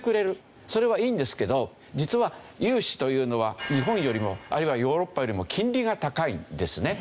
それはいいんですけど実は融資というのは日本よりもあるいはヨーロッパよりも金利が高いんですね。